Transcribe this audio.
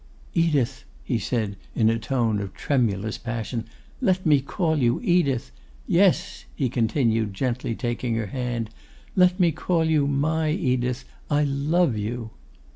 'Edith!' he said in a tone of tremulous passion, 'Let me call you Edith! Yes,' he continued, gently taking her hand, let me call you my Edith! I love you!